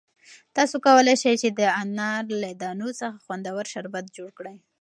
تاسو کولای شئ چې د انار له دانو څخه خوندور شربت جوړ کړئ.